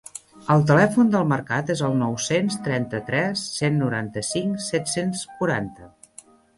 El telèfon del mercat és el nou-cents trenta-tres cent noranta-cinc set-cents quaranta.